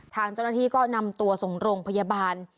ทางเจ้าหน้าที่ก็นำตัวส่งโรงพยาบาล